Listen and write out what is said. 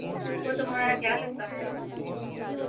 وہ تمہارا کیا لگتا ہے